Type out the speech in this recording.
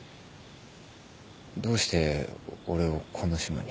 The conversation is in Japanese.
どうして俺をこの島に。